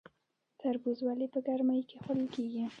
تربوز ولې په ګرمۍ کې خوړل کیږي؟